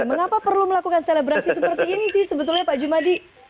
mengapa perlu melakukan selebrasi seperti ini sih sebetulnya pak jumadi